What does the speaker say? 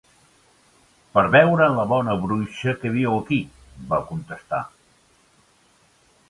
"Per veure a la Bona Bruixa que viu aquí." Va contestar.